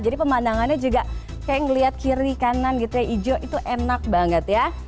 pemandangannya juga kayak ngeliat kiri kanan gitu ya hijau itu enak banget ya